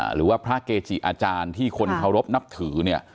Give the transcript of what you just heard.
หรือว่าพระเกจิอาจารย์ที่คนเคารพนับถือเนี่ย